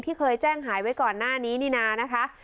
เคยแจ้งหายไว้ก่อนหน้านี้นี่นานะคะ